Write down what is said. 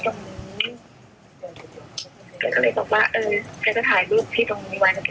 หนูหนูไม่ได้หลอกที่จะเข้าเข้าตามหาที่หลอกหนูอ่ะค่ะ